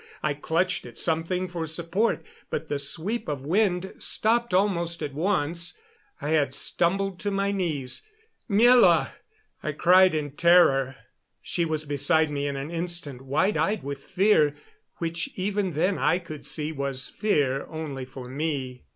I clutched at something for support, but the sweep of wind stopped almost at once. I had stumbled to my knees. "Miela!" I cried in terror. She was beside me in an instant, wide eyed with fear, which even then I could see was fear only for me.